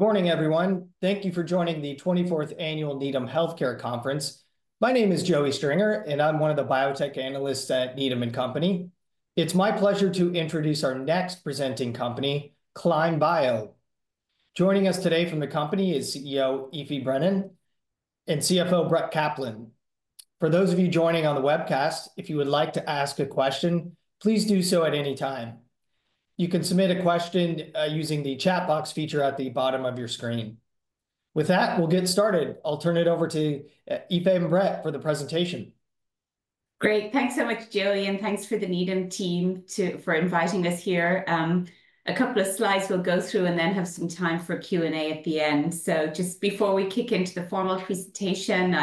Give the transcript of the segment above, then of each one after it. Good morning, everyone. Thank you for joining the 24th Annual Needham Healthcare Conference. My name is Joey Stringer, and I'm one of the biotech analysts at Needham & Company. It's my pleasure to introduce our next presenting company, Climb Bio. Joining us today from the company is CEO Aoife Brennan and CFO Brett Kaplan. For those of you joining on the webcast, if you would like to ask a question, please do so at any time. You can submit a question using the chat box feature at the bottom of your screen. With that, we'll get started. I'll turn it over to Aoife and Brett for the presentation. Great. Thanks so much, Joey, and thanks for the Needham team for inviting us here. A couple of slides we'll go through and then have some time for Q&A at the end. Just before we kick into the formal presentation,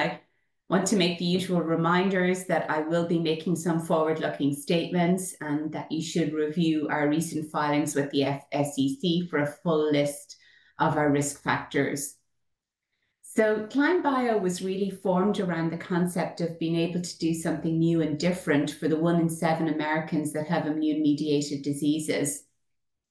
I want to make the usual reminders that I will be making some forward-looking statements and that you should review our recent filings with the FSCC for a full list of our risk factors. Climb Bio was really formed around the concept of being able to do something new and different for the one in seven Americans that have immune-mediated diseases.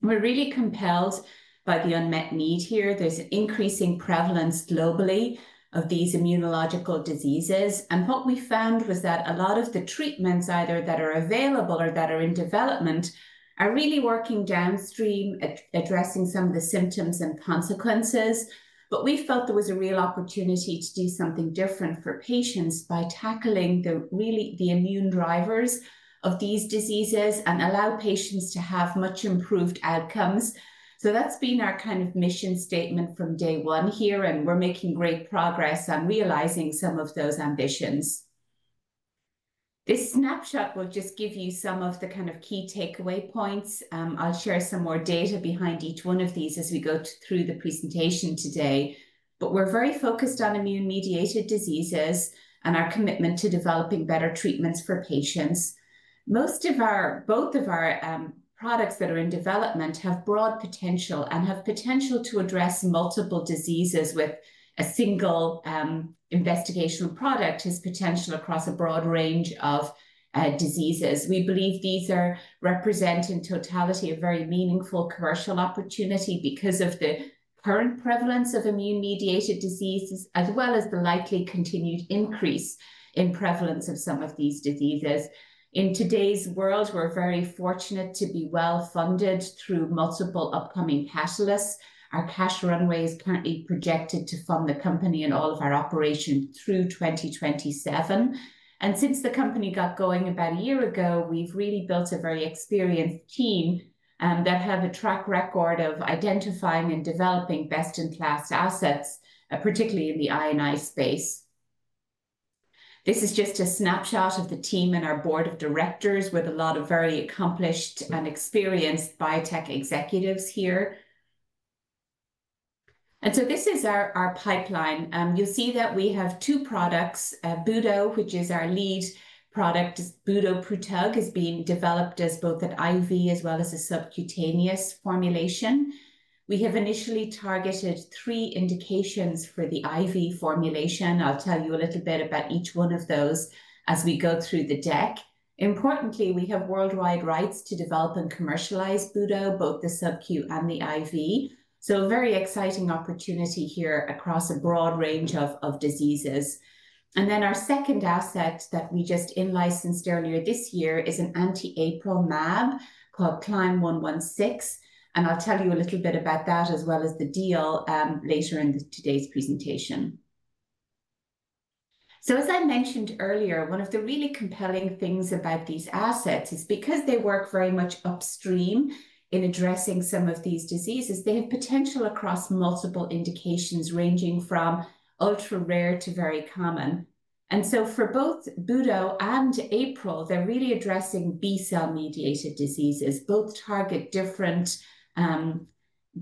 We're really compelled by the unmet need here. There's an increasing prevalence globally of these immunological diseases. What we found was that a lot of the treatments either that are available or that are in development are really working downstream, addressing some of the symptoms and consequences. We felt there was a real opportunity to do something different for patients by tackling really the immune drivers of these diseases and allow patients to have much improved outcomes. That has been our kind of mission statement from day one here, and we're making great progress on realizing some of those ambitions. This snapshot will just give you some of the kind of key takeaway points. I'll share some more data behind each one of these as we go through the presentation today. We're very focused on immune-mediated diseases and our commitment to developing better treatments for patients. Most of our, both of our products that are in development have broad potential and have potential to address multiple diseases with a single investigational product as potential across a broad range of diseases. We believe these represent in totality a very meaningful commercial opportunity because of the current prevalence of immune-mediated diseases, as well as the likely continued increase in prevalence of some of these diseases. In today's world, we're very fortunate to be well-funded through multiple upcoming catalysts. Our cash runway is currently projected to fund the company and all of our operations through 2027. Since the company got going about a year ago, we've really built a very experienced team that have a track record of identifying and developing best-in-class assets, particularly in the I&I space. This is just a snapshot of the team and our board of directors with a lot of very accomplished and experienced biotech executives here. This is our pipeline. You'll see that we have two products. Budo, which is our lead product, budoprutug, is being developed as both an IV as well as a subcutaneous formulation. We have initially targeted three indications for the IV formulation. I'll tell you a little bit about each one of those as we go through the deck. Importantly, we have worldwide rights to develop and commercialize Budo, both the subcu and the IV. A very exciting opportunity here across a broad range of diseases. Our second asset that we just in-licensed earlier this year is an anti-APRIL MAB called CLYM116. I'll tell you a little bit about that as well as the deal later in today's presentation. As I mentioned earlier, one of the really compelling things about these assets is because they work very much upstream in addressing some of these diseases, they have potential across multiple indications ranging from ultra-rare to very common. For both Budo and April, they're really addressing B-cell-mediated diseases. Both target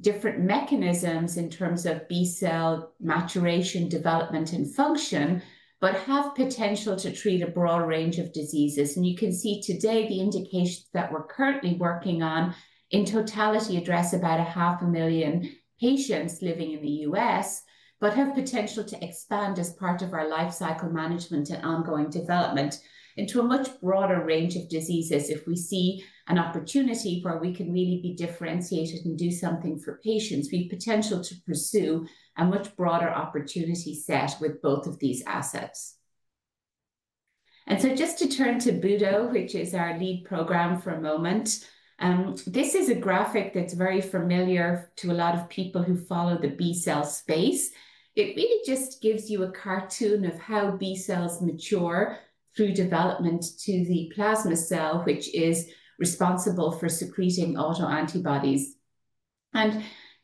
different mechanisms in terms of B-cell maturation, development, and function, but have potential to treat a broad range of diseases. You can see today the indications that we're currently working on in totality address about 500,000 patients living in the U.S., but have potential to expand as part of our lifecycle management and ongoing development into a much broader range of diseases. If we see an opportunity where we can really be differentiated and do something for patients, we have potential to pursue a much broader opportunity set with both of these assets. Just to turn to Budo, which is our lead program for a moment, this is a graphic that's very familiar to a lot of people who follow the B-cell space. It really just gives you a cartoon of how B-cells mature through development to the plasma cell, which is responsible for secreting autoantibodies.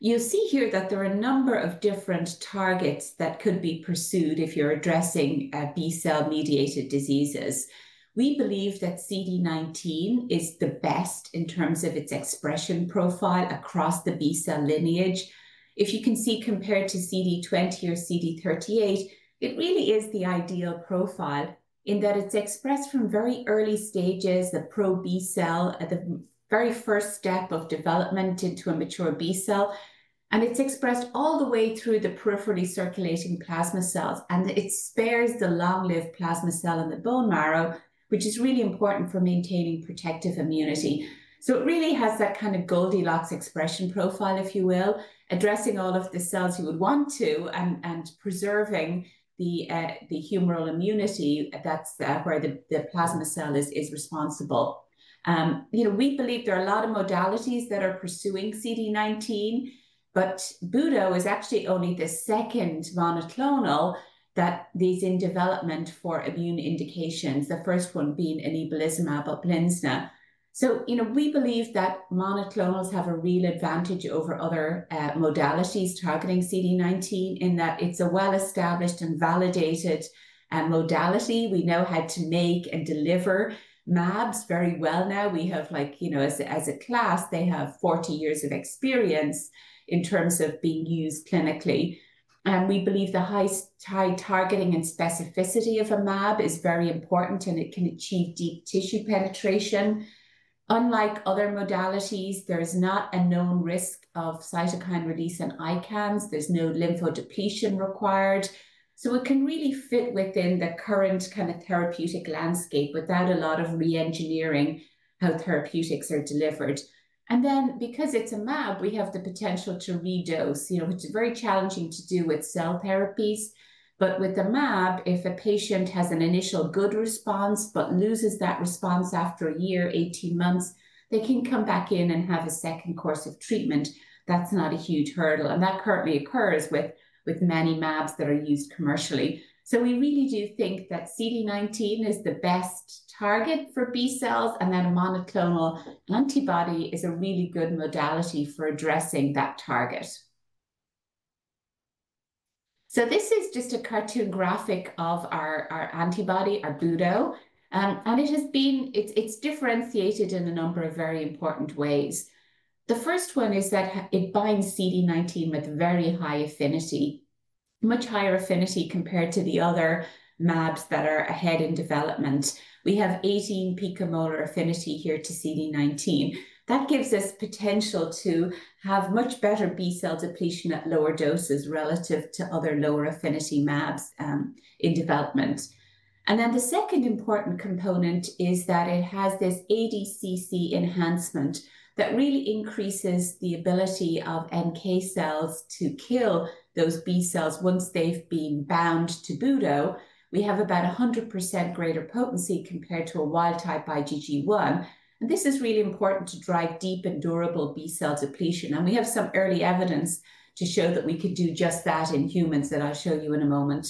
You'll see here that there are a number of different targets that could be pursued if you're addressing B-cell-mediated diseases. We believe that CD19 is the best in terms of its expression profile across the B-cell lineage. If you can see compared to CD20 or CD38, it really is the ideal profile in that it's expressed from very early stages, the pro-B cell, the very first step of development into a mature B-cell. It's expressed all the way through the peripherally circulating plasma cells. It spares the long-lived plasma cell in the bone marrow, which is really important for maintaining protective immunity. It really has that kind of Goldilocks expression profile, if you will, addressing all of the cells you would want to and preserving the humoral immunity where the plasma cell is responsible. We believe there are a lot of modalities that are pursuing CD19, but Budo is actually only the second monoclonal that is in development for immune indications, the first one being anebulizumab. We believe that monoclonals have a real advantage over other modalities targeting CD19 in that it is a well-established and validated modality. We know how to make and deliver MABs very well now. As a class, they have 40 years of experience in terms of being used clinically. We believe the high targeting and specificity of a MAB is very important, and it can achieve deep tissue penetration. Unlike other modalities, there is not a known risk of cytokine release in ICAMs. There is no lymphodepletion required. It can really fit within the current kind of therapeutic landscape without a lot of re-engineering how therapeutics are delivered. Because it is a MAB, we have the potential to redose, which is very challenging to do with cell therapies. With the MAB, if a patient has an initial good response but loses that response after a year, 18 months, they can come back in and have a second course of treatment. That is not a huge hurdle. That currently occurs with many MABs that are used commercially. We really do think that CD19 is the best target for B-cells, and then a monoclonal antibody is a really good modality for addressing that target. This is just a cartoon graphic of our antibody, our Budo. It has been differentiated in a number of very important ways. The first one is that it binds CD19 with very high affinity, much higher affinity compared to the other MABs that are ahead in development. We have 18 picomolar affinity here to CD19. That gives us potential to have much better B-cell depletion at lower doses relative to other lower affinity MABs in development. The second important component is that it has this ADCC enhancement that really increases the ability of NK cells to kill those B-cells once they've been bound to Budo. We have about 100% greater potency compared to a wild-type IgG1. This is really important to drive deep and durable B-cell depletion. We have some early evidence to show that we could do just that in humans that I'll show you in a moment.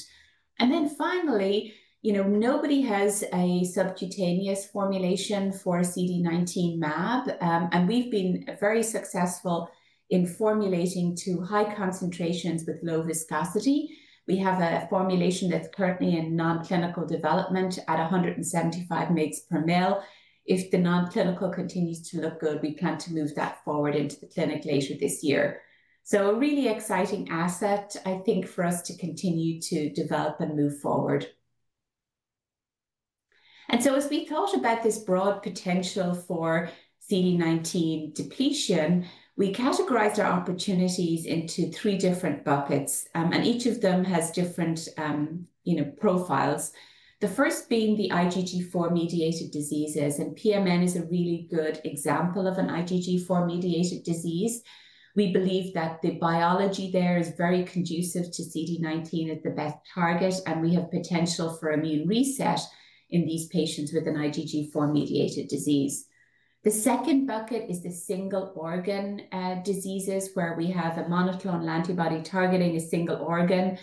Finally, nobody has a subcutaneous formulation for a CD19 MAB. We've been very successful in formulating to high concentrations with low viscosity. We have a formulation that's currently in non-clinical development at 175 mg/mL. If the non-clinical continues to look good, we plan to move that forward into the clinic later this year. A really exciting asset, I think, for us to continue to develop and move forward. As we thought about this broad potential for CD19 depletion, we categorized our opportunities into three different buckets. Each of them has different profiles. The first being the IgG4-mediated diseases. PMN is a really good example of an IgG4-mediated disease. We believe that the biology there is very conducive to CD19 as the best target, and we have potential for immune reset in these patients with an IgG4-mediated disease. The second bucket is the single organ diseases where we have a monoclonal antibody targeting a single organ.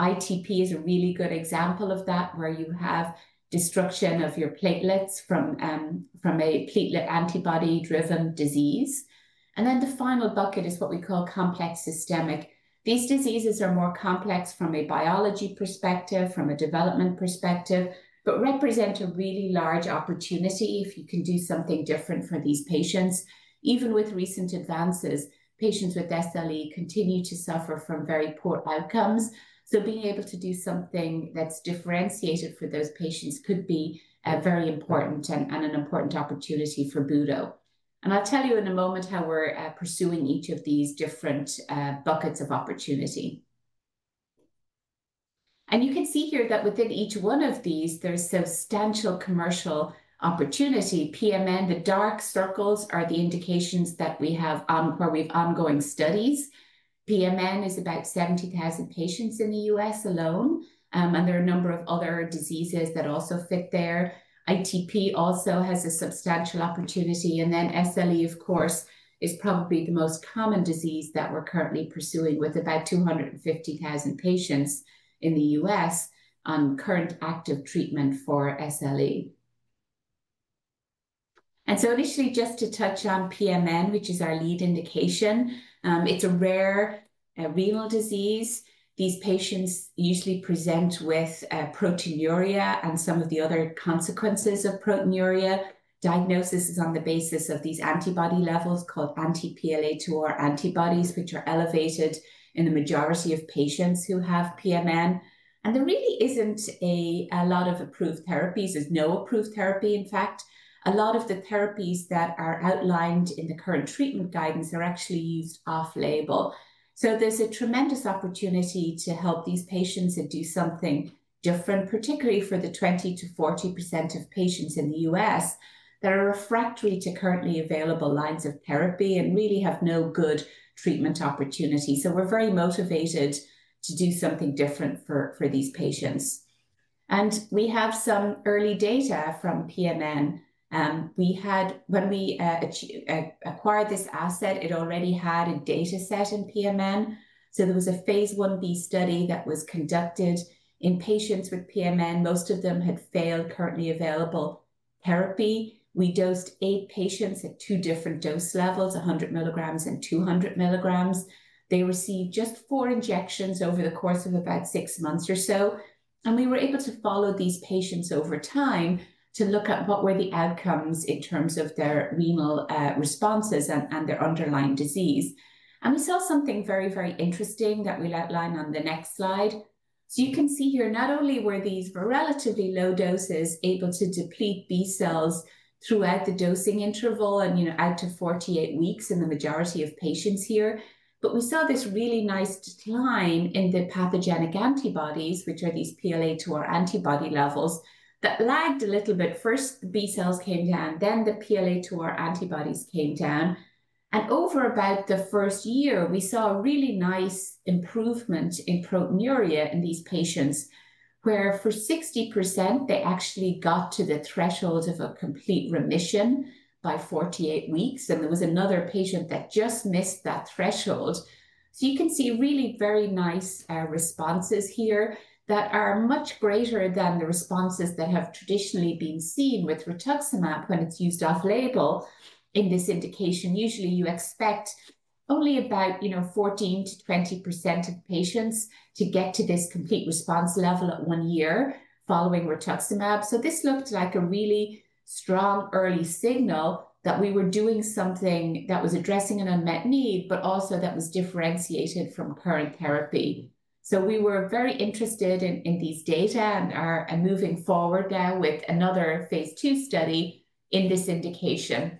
ITP is a really good example of that where you have destruction of your platelets from a platelet antibody-driven disease. The final bucket is what we call complex systemic. These diseases are more complex from a biology perspective, from a development perspective, but represent a really large opportunity if you can do something different for these patients. Even with recent advances, patients with SLE continue to suffer from very poor outcomes. Being able to do something that's differentiated for those patients could be very important and an important opportunity for Budo. I'll tell you in a moment how we're pursuing each of these different buckets of opportunity. You can see here that within each one of these, there's substantial commercial opportunity. PMN, the dark circles are the indications that we have where we have ongoing studies. PMN is about 70,000 patients in the U.S. alone. There are a number of other diseases that also fit there. ITP also has a substantial opportunity. SLE, of course, is probably the most common disease that we're currently pursuing with about 250,000 patients in the U.S. on current active treatment for SLE. Initially, just to touch on PMN, which is our lead indication, it's a rare renal disease. These patients usually present with proteinuria and some of the other consequences of proteinuria. Diagnosis is on the basis of these antibody levels called anti-PLA2R antibodies, which are elevated in the majority of patients who have PMN. There really isn't a lot of approved therapies. There's no approved therapy, in fact. A lot of the therapies that are outlined in the current treatment guidance are actually used off-label. There is a tremendous opportunity to help these patients and do something different, particularly for the 20%-40% of patients in the US that are refractory to currently available lines of therapy and really have no good treatment opportunity. We are very motivated to do something different for these patients. We have some early data from PMN. When we acquired this asset, it already had a data set in PMN. There was a phase I-B study that was conducted in patients with PMN. Most of them had failed currently available therapy. We dosed eight patients at two different dose levels, 100 mg and 200 mg. They received just four injections over the course of about six months or so. We were able to follow these patients over time to look at what were the outcomes in terms of their renal responses and their underlying disease. We saw something very, very interesting that we'll outline on the next slide. You can see here not only were these relatively low doses able to deplete B-cells throughout the dosing interval and out to 48 weeks in the majority of patients here, but we saw this really nice decline in the pathogenic antibodies, which are these PLA2R antibody levels that lagged a little bit. First, the B-cells came down, then the PLA2R antibodies came down. Over about the first year, we saw a really nice improvement in proteinuria in these patients where for 60%, they actually got to the threshold of a complete remission by 48 weeks. There was another patient that just missed that threshold. You can see really very nice responses here that are much greater than the responses that have traditionally been seen with rituximab when it is used off-label in this indication. Usually, you expect only about 14%-20% of patients to get to this complete response level at one year following rituximab. This looked like a really strong early signal that we were doing something that was addressing an unmet need, but also that was differentiated from current therapy. We were very interested in these data and moving forward now with another phase II study in this indication.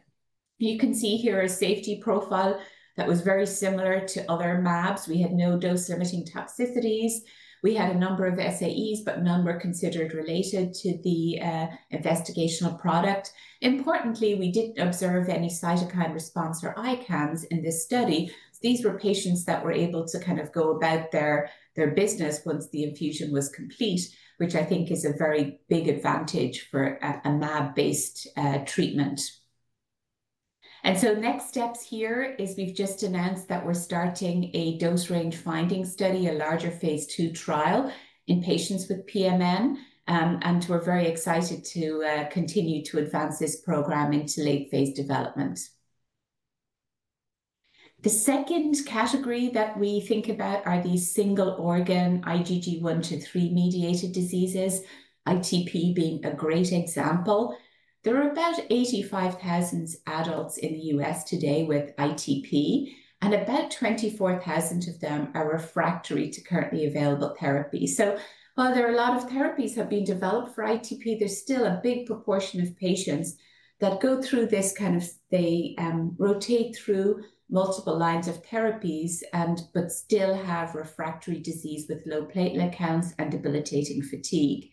You can see here a safety profile that was very similar to other MABs. We had no dose-limiting toxicities. We had a number of SAEs, but none were considered related to the investigational product. Importantly, we did not observe any cytokine response or ICAMs in this study. These were patients that were able to kind of go about their business once the infusion was complete, which I think is a very big advantage for a MAB-based treatment. Next steps here is we have just announced that we are starting a dose range finding study, a larger phase II trial in patients with PMN. We are very excited to continue to advance this program into late phase development. The second category that we think about are these single organ IgG1-3 mediated diseases, ITP being a great example. There are about 85,000 adults in the U.S. today with ITP, and about 24,000 of them are refractory to currently available therapy. While there are a lot of therapies that have been developed for ITP, there's still a big proportion of patients that go through this kind of they rotate through multiple lines of therapies, but still have refractory disease with low platelet counts and debilitating fatigue.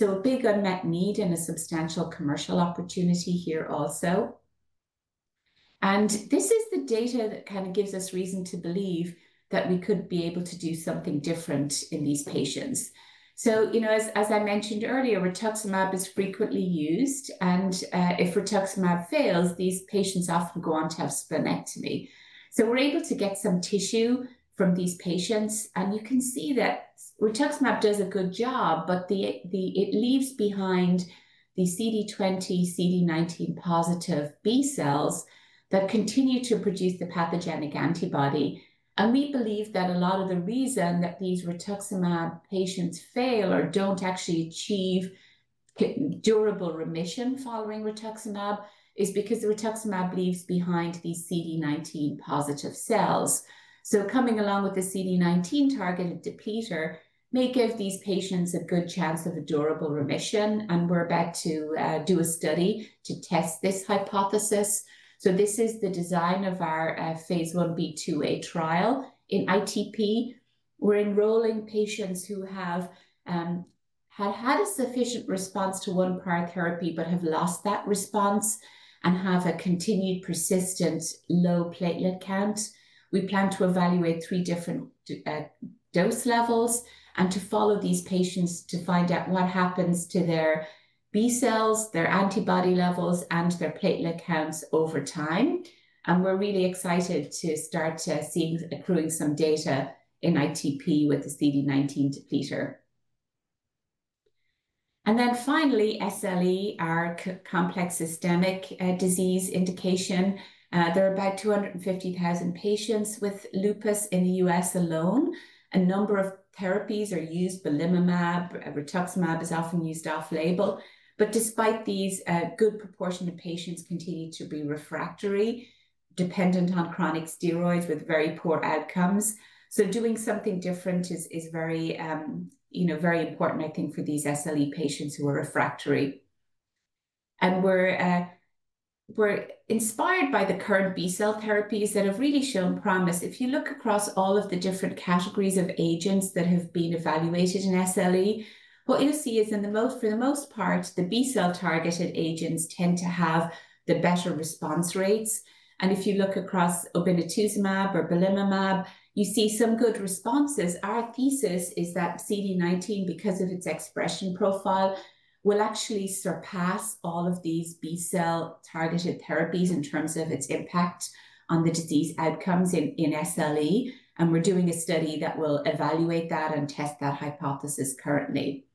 A big unmet need and a substantial commercial opportunity here also. This is the data that kind of gives us reason to believe that we could be able to do something different in these patients. As I mentioned earlier, rituximab is frequently used. If rituximab fails, these patients often go on to have splenectomy. We're able to get some tissue from these patients. You can see that rituximab does a good job, but it leaves behind the CD20, CD19 positive B-cells that continue to produce the pathogenic antibody. We believe that a lot of the reason that these rituximab patients fail or do not actually achieve durable remission following rituximab is because the rituximab leaves behind these CD19 positive cells. Coming along with the CD19 targeted depleter may give these patients a good chance of a durable remission. We're about to do a study to test this hypothesis. This is the design of our phase I-B2a trial in ITP. We're enrolling patients who have had a sufficient response to one prior therapy but have lost that response and have a continued persistent low platelet count. We plan to evaluate three different dose levels and to follow these patients to find out what happens to their B-cells, their antibody levels, and their platelet counts over time. We are really excited to start seeing accruing some data in ITP with the CD19 depleter. Finally, SLE, our complex systemic disease indication. There are about 250,000 patients with lupus in the U.S. alone. A number of therapies are used, belimumab. Rituximab is often used off-label. Despite these, a good proportion of patients continue to be refractory, dependent on chronic steroids with very poor outcomes. Doing something different is very important, I think, for these SLE patients who are refractory. We are inspired by the current B-cell therapies that have really shown promise. If you look across all of the different categories of agents that have been evaluated in SLE, what you'll see is, for the most part, the B-cell targeted agents tend to have the better response rates. If you look across obinutuzumab or belimumab, you see some good responses. Our thesis is that CD19, because of its expression profile, will actually surpass all of these B-cell targeted therapies in terms of its impact on the disease outcomes in SLE. We're doing a study that will evaluate that and test that hypothesis currently.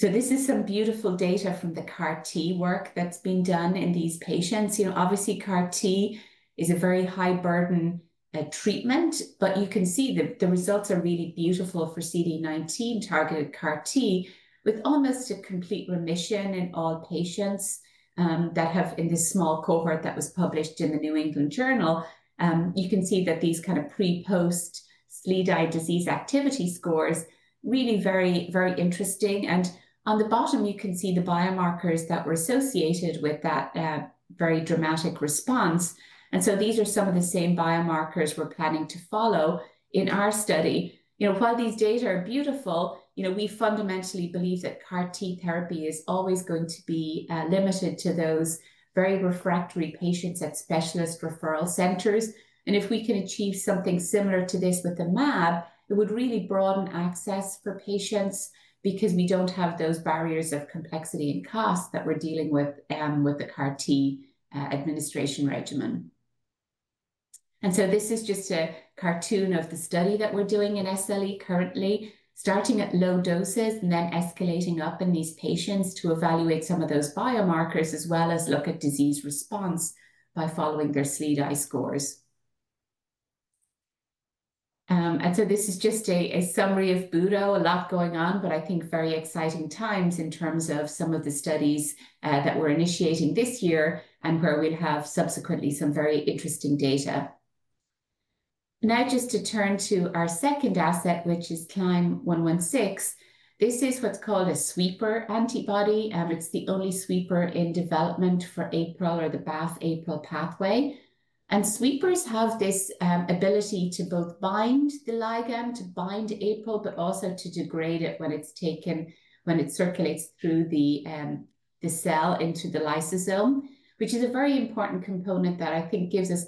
This is some beautiful data from the CAR-T work that's been done in these patients. Obviously, CAR-T is a very high burden treatment, but you can see the results are really beautiful for CD19 targeted CAR-T with almost a complete remission in all patients that have in this small cohort that was published in the New England Journal. You can see that these kind of pre-post SLEDAI disease activity scores really very, very interesting. On the bottom, you can see the biomarkers that were associated with that very dramatic response. These are some of the same biomarkers we're planning to follow in our study. While these data are beautiful, we fundamentally believe that CAR-T therapy is always going to be limited to those very refractory patients at specialist referral centers. If we can achieve something similar to this with the MAB, it would really broaden access for patients because we do not have those barriers of complexity and cost that we are dealing with with the CAR-T administration regimen. This is just a cartoon of the study that we are doing in SLE currently, starting at low doses and then escalating up in these patients to evaluate some of those biomarkers as well as look at disease response by following their SLEDAI scores. This is just a summary of Budo. A lot going on, but I think very exciting times in terms of some of the studies that we are initiating this year and where we will have subsequently some very interesting data. Now, just to turn to our second asset, which is CLIMB-116. This is what is called a sweeper antibody. It's the only sweeper in development for APRIL or the BAFF-APRIL pathway. Sweepers have this ability to both bind the ligand, to bind APRIL, but also to degrade it when it's taken, when it circulates through the cell into the lysosome, which is a very important component that I think gives us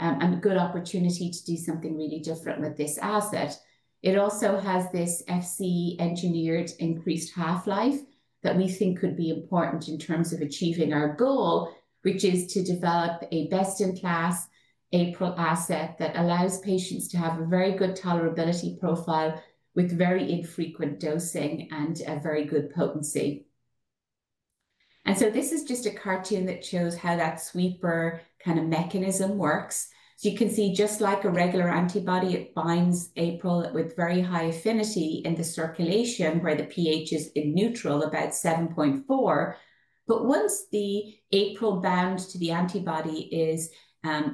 a good opportunity to do something really different with this asset. It also has this Fc-engineered increased half-life that we think could be important in terms of achieving our goal, which is to develop a best-in-class APRIL asset that allows patients to have a very good tolerability profile with very infrequent dosing and a very good potency. This is just a cartoon that shows how that sweeper kind of mechanism works. You can see, just like a regular antibody, it binds APRIL with very high affinity in the circulation where the pH is neutral, about 7.4. Once the APRIL bound to the antibody is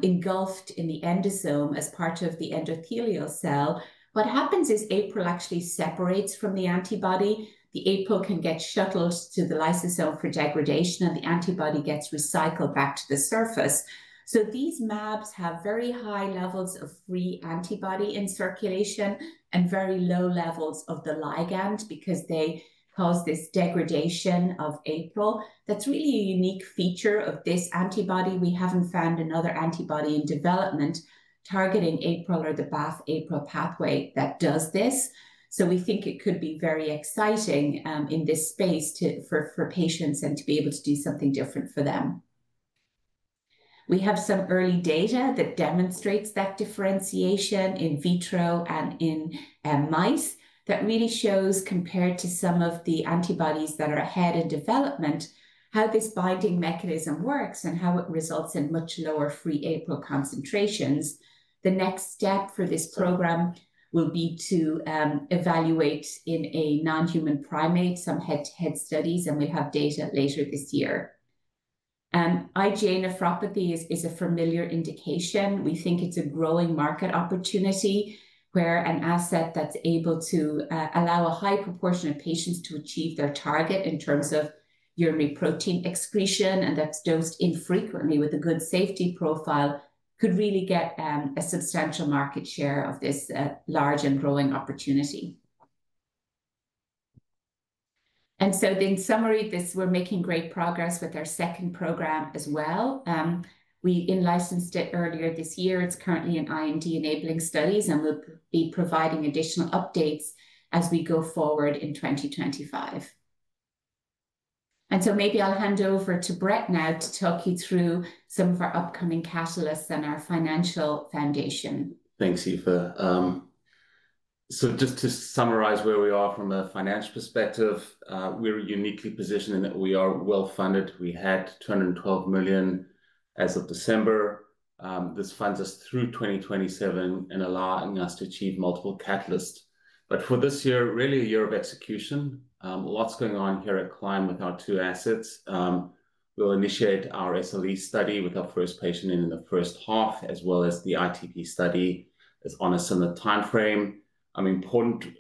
engulfed in the endosome as part of the endothelial cell, what happens is APRIL actually separates from the antibody. The APRIL can get shuttled to the lysosome for degradation, and the antibody gets recycled back to the surface. These MABs have very high levels of free antibody in circulation and very low levels of the ligand because they cause this degradation of APRIL. That is really a unique feature of this antibody. We have not found another antibody in development targeting APRIL or the BAFF-APRIL pathway that does this. We think it could be very exciting in this space for patients and to be able to do something different for them. We have some early data that demonstrates that differentiation in vitro and in mice that really shows, compared to some of the antibodies that are ahead in development, how this binding mechanism works and how it results in much lower free APRIL concentrations. The next step for this program will be to evaluate in a non-human primate some head studies, and we'll have data later this year. IgA nephropathy is a familiar indication. We think it's a growing market opportunity where an asset that's able to allow a high proportion of patients to achieve their target in terms of urinary protein excretion, and that's dosed infrequently with a good safety profile, could really get a substantial market share of this large and growing opportunity. In summary, we're making great progress with our second program as well. We licensed it earlier this year. It's currently in IND-enabling studies, and we'll be providing additional updates as we go forward in 2025. Maybe I'll hand over to Brett now to talk you through some of our upcoming catalysts and our financial foundation. Thanks, Aoife. Just to summarize where we are from a financial perspective, we're uniquely positioned in that we are well-funded. We had $212 million as of December. This funds us through 2027 and allows us to achieve multiple catalysts. For this year, really a year of execution. Lots going on here at Climb with our two assets. We'll initiate our SLE study with our first patient in the first half, as well as the ITP study is on a similar timeframe. An important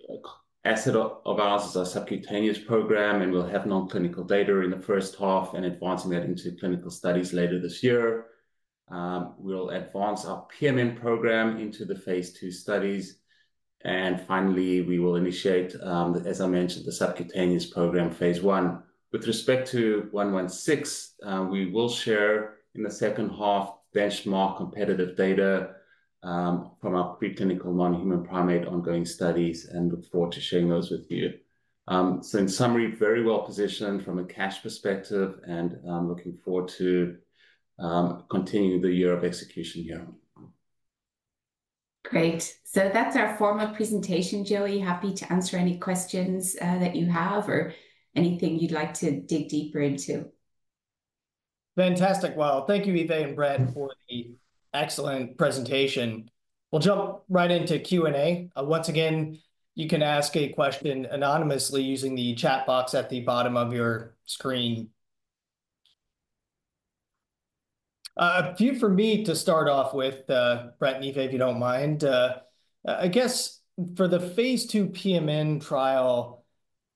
asset of ours is our subcutaneous program, and we'll have non-clinical data in the first half and advancing that into clinical studies later this year. We'll advance our PMN program into the phase II studies. Finally, we will initiate, as I mentioned, the subcutaneous program phase one. With respect to 116, we will share in the second half benchmark competitive data from our preclinical non-human primate ongoing studies and look forward to sharing those with you. In summary, very well positioned from a cash perspective and looking forward to continuing the year of execution here. Great. That is our form of presentation, Joey. Happy to answer any questions that you have or anything you'd like to dig deeper into. Fantastic. Thank you, Aoife and Brett, for the excellent presentation. We'll jump right into Q&A. Once again, you can ask a question anonymously using the chat box at the bottom of your screen. A few for me to start off with, Brett and Aoife, if you don't mind. I guess for the phase II PMN trial,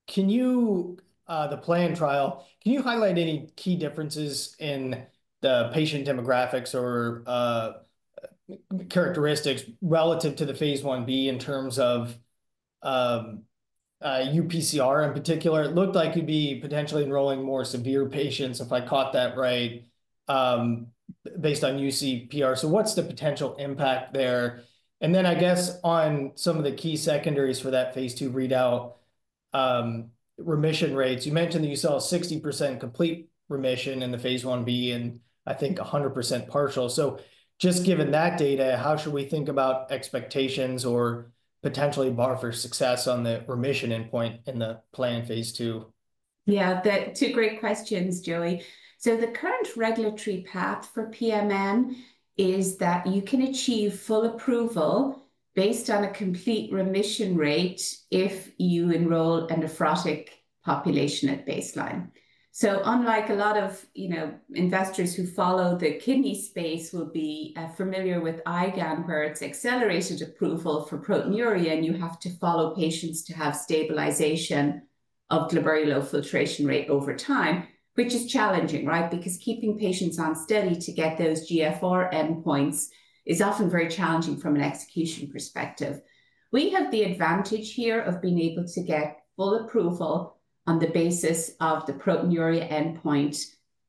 can you, the planned trial, can you highlight any key differences in the patient demographics or characteristics relative to the phase I-B in terms of UPCR in particular? It looked like you'd be potentially enrolling more severe patients, if I caught that right, based on UPCR. What's the potential impact there? I guess on some of the key secondaries for that phase II readout, remission rates, you mentioned that you saw 60% complete remission in the phase I-B and I think 100% partial. Just given that data, how should we think about expectations or potentially bar for success on the remission endpoint in the planned phase II? Yeah, two great questions, Joey. The current regulatory path for PMN is that you can achieve full approval based on a complete remission rate if you enroll a nephrotic population at baseline. Unlike a lot of investors who follow the kidney space, you will be familiar with IgA nephropathy, where it is accelerated approval for proteinuria, and you have to follow patients to have stabilization of glomerular filtration rate over time, which is challenging, right? Because keeping patients on study to get those GFR endpoints is often very challenging from an execution perspective. We have the advantage here of being able to get full approval on the basis of the proteinuria endpoint,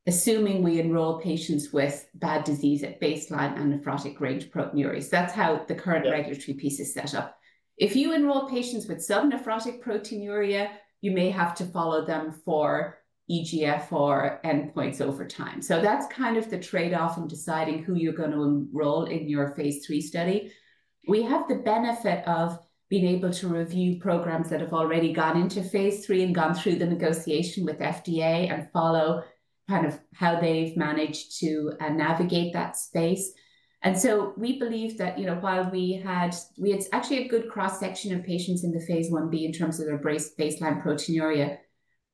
assuming we enroll patients with bad disease at baseline and nephrotic range proteinuria. That is how the current regulatory piece is set up. If you enroll patients with sub-nephrotic proteinuria, you may have to follow them for eEGFR endpoints over time. That's kind of the trade-off in deciding who you're going to enroll in your phase III study. We have the benefit of being able to review programs that have already gone into phase III and gone through the negotiation with FDA and follow kind of how they've managed to navigate that space. We believe that while we had actually a good cross-section of patients in the phase I-B in terms of their baseline proteinuria,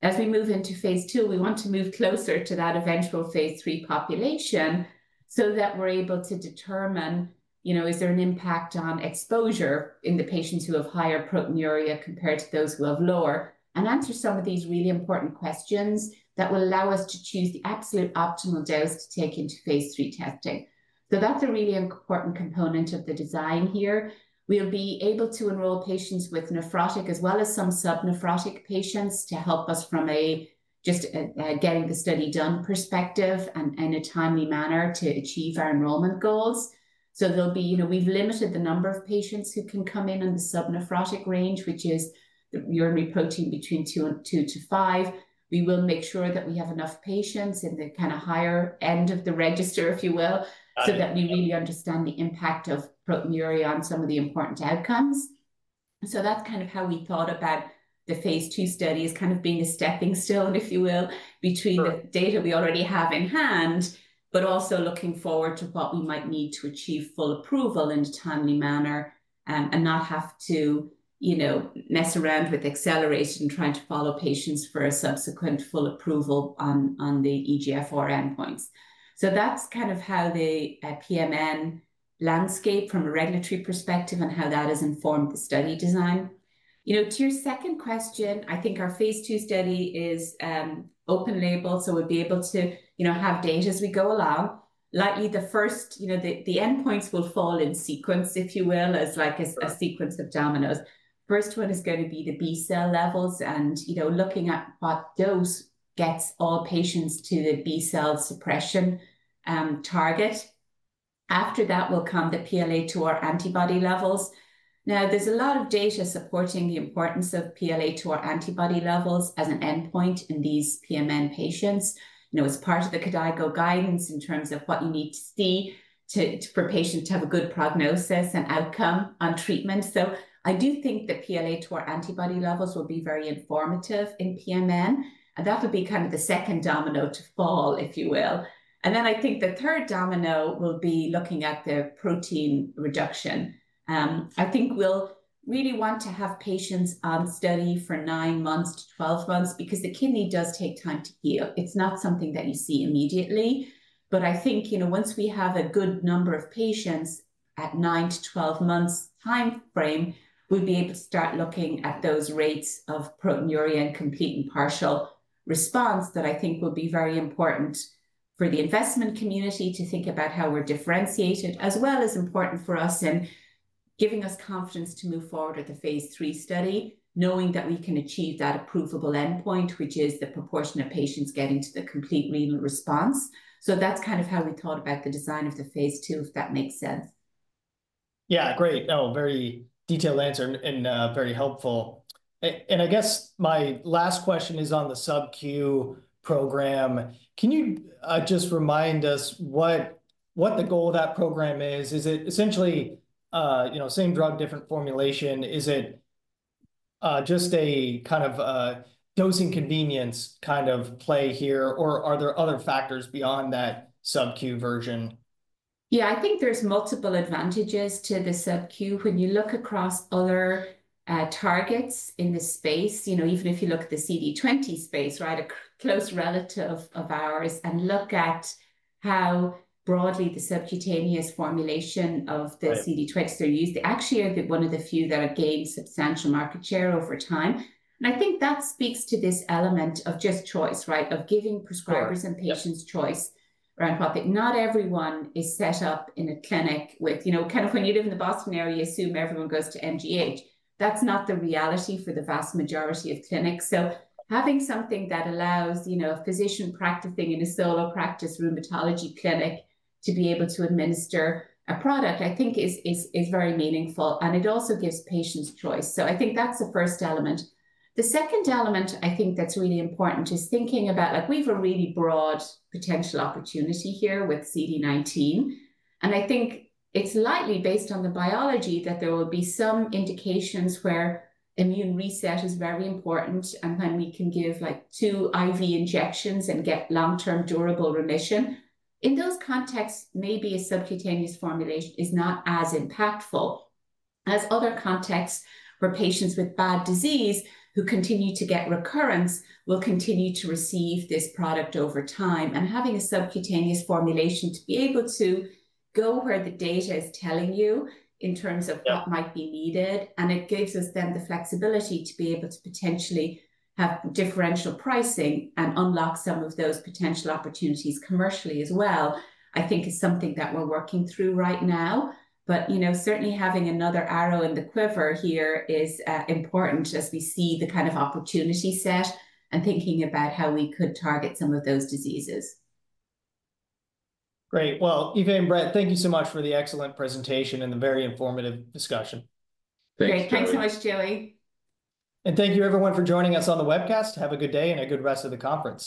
as we move into phase II, we want to move closer to that eventual phase III population so that we're able to determine, is there an impact on exposure in the patients who have higher proteinuria compared to those who have lower and answer some of these really important questions that will allow us to choose the absolute optimal dose to take into phase III testing. That's a really important component of the design here. We'll be able to enroll patients with nephrotic as well as some sub-nephrotic patients to help us from a just getting the study done perspective and in a timely manner to achieve our enrollment goals. There'll be, we've limited the number of patients who can come in on the sub-nephrotic range, which is the urinary protein between two and two to five. We will make sure that we have enough patients in the kind of higher end of the register, if you will, so that we really understand the impact of proteinuria on some of the important outcomes. That's kind of how we thought about the phase II study as kind of being a stepping stone, if you will, between the data we already have in hand, but also looking forward to what we might need to achieve full approval in a timely manner and not have to mess around with acceleration and trying to follow patients for a subsequent full approval on the eEGFR endpoints. That's kind of how the PMN landscape from a regulatory perspective and how that has informed the study design. To your second question, I think our phase II study is open label, so we'll be able to have data as we go along. Likely the first, the endpoints will fall in sequence, if you will, as like a sequence of dominoes. First one is going to be the B cell levels and looking at what dose gets all patients to the B cell suppression target. After that will come the anti-PLA2R antibody levels. Now, there's a lot of data supporting the importance of anti-PLA2R antibody levels as an endpoint in these PMN patients. It's part of the CADICO guidance in terms of what you need to see for patients to have a good prognosis and outcome on treatment. I do think the anti-PLA2R antibody levels will be very informative in PMN. That would be kind of the second domino to fall, if you will. I think the third domino will be looking at the protein reduction. I think we'll really want to have patients on study for nine months to 12 months because the kidney does take time to heal. It's not something that you see immediately. I think once we have a good number of patients at nine months to 12 months timeframe, we'll be able to start looking at those rates of proteinuria and complete and partial response that I think will be very important for the investment community to think about how we're differentiated, as well as important for us in giving us confidence to move forward with the phase III study, knowing that we can achieve that approvable endpoint, which is the proportion of patients getting to the complete renal response. That is kind of how we thought about the design of the phase II, if that makes sense. Yeah, great. No, very detailed answer and very helpful. I guess my last question is on the subQ program. Can you just remind us what the goal of that program is? Is it essentially same drug, different formulation? Is it just a kind of dosing convenience kind of play here, or are there other factors beyond that subQ version? Yeah, I think there's multiple advantages to the subQ. When you look across other targets in this space, even if you look at the CD20 space, a close relative of ours, and look at how broadly the subcutaneous formulation of the CD20s are used, they actually are one of the few that have gained substantial market share over time. I think that speaks to this element of just choice, of giving prescribers and patients choice around what they—not everyone is set up in a clinic with kind of—when you live in the Boston area, you assume everyone goes to MGH. That's not the reality for the vast majority of clinics. Having something that allows a physician practicing in a solo practice rheumatology clinic to be able to administer a product, I think is very meaningful. It also gives patients choice. I think that's the first element. The second element I think that's really important is thinking about we have a really broad potential opportunity here with CD19. I think it's likely based on the biology that there will be some indications where immune reset is very important and when we can give two IV injections and get long-term durable remission. In those contexts, maybe a subcutaneous formulation is not as impactful as other contexts for patients with bad disease who continue to get recurrence, will continue to receive this product over time. Having a subcutaneous formulation to be able to go where the data is telling you in terms of what might be needed. It gives us then the flexibility to be able to potentially have differential pricing and unlock some of those potential opportunities commercially as well, I think is something that we're working through right now. Certainly having another arrow in the quiver here is important as we see the kind of opportunity set and thinking about how we could target some of those diseases. Great. Aoife and Brett, thank you so much for the excellent presentation and the very informative discussion. Thanks. Thanks so much, Joey. Thank you, everyone, for joining us on the webcast. Have a good day and a good rest of the conference.